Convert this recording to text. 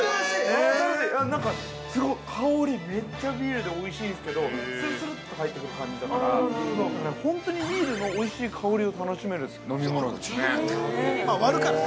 なんかすごい、香り、めっちゃビールでおいしいんですけど、するすると入ってくる感じだから、本当にビールのおいしい香りを楽しめる飲み物ですね。